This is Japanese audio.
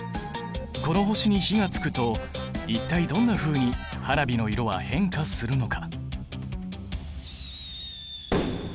この星に火がつくと一体どんなふうに花火の色は変化するのか？